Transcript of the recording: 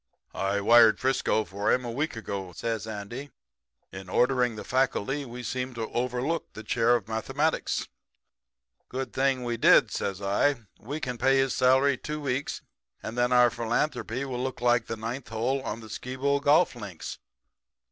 "'I wired to Frisco for him a week ago,' says Andy. 'In ordering the faculty we seemed to have overlooked the chair of mathematics.' "'A good thing we did,' says I. 'We can pay his salary two weeks, and then our philanthropy will look like the ninth hole on the Skibo golf links.'